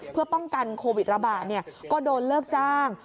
เพื่อป้องกันโควิดระบาดก็โดนเลิกจ้าง